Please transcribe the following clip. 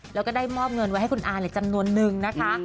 แล้วก็ได้มอบเงินไว้ให้คุณอาจำนวนนึงนะคะ